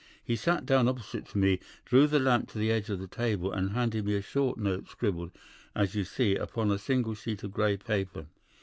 He sat down opposite to me, drew the lamp to the edge of the table, and handed me a short note scribbled, as you see, upon a single sheet of grey paper.